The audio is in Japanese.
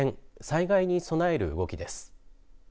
災害に備える動きです。